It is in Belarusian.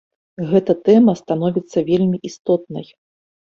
Гэтая тэма становіцца вельмі істотнай.